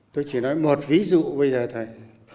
tôi chỉ nói một ví dụ bây giờ thầy